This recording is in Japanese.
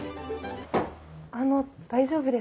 あの大丈夫ですか？